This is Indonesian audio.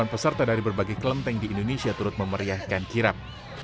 delapan peserta dari berbagai kelenteng di indonesia turut memeriahkan kirap